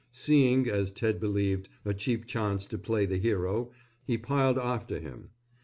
Seeing, as Ted believed, a cheap chance to play the hero, he piled after him.